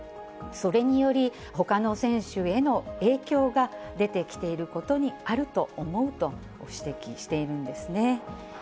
それにより、ほかの選手への影響が出てきていることにあると思うと指摘しているんですね。